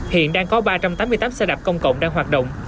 hiện đang có ba trăm tám mươi tám xe đạp công cộng đang hoạt động